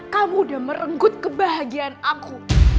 kamu udah merenggut kebahagiaan aku